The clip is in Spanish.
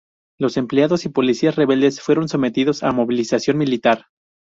Los empleados y policías rebeldes fueron sometidos a movilización militar.